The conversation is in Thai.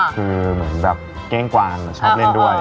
คือเหมือนแบบเก้งกวางชอบเล่นด้วย